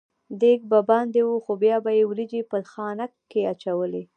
دېګ به باندې و خو بیا یې وریجې په خانک کې اچولې.